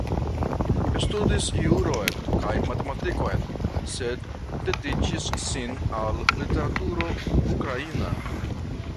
Studis juron kaj matematikon, sed dediĉis sin al literaturo ukraina.